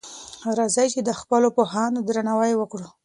راځئ چی د خپلو پوهانو درناوی وکړو.